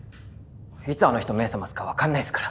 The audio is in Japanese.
いつあの人目覚ますか分かんないっすから。